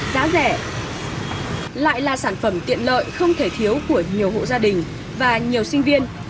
giá rẻ lại là sản phẩm tiện lợi không thể thiếu của nhiều hộ gia đình và nhiều sinh viên